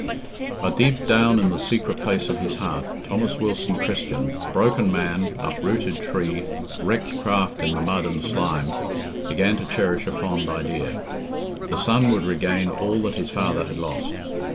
But deep down in the secret place of his heart, Thomas Wilson Christian, broken man, uprooted tree, wrecked craft in the mud and slime, began to cherish a fond idea. The son would regain all that his father had lost!